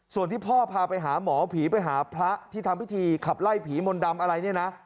ส่วนที่พ่อพาไปหาหมอผีไปหาพระที่ทำพิธีขับไล่ผีมนต์ดำอะไรเนี่ยนะ